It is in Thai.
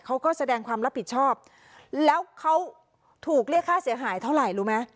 เขาก็แสดงความรับผิดชอบแล้วเขาถูกเรียกค่าเสียหายเท่าไหร่รู้ไหม